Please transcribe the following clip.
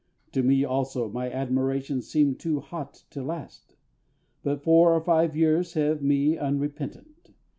To me also my admiration seemed too hot to last; but four or five years leave me unrepentant.